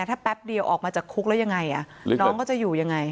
ถ้าแป๊บเดียวออกมาจากคุกแล้วยังไงน้องเขาจะอยู่ยังไง